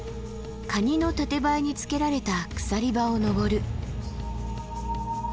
カニのタテバイにつけられた鎖場を登る。